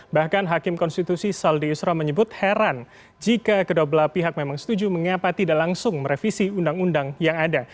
bahkan hakim konstitusi saldi isra menyebut heran jika kedua belah pihak memang setuju mengapa tidak langsung merevisi undang undang yang ada